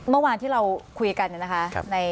เมื่อวานที่เราคุยกันนะคะ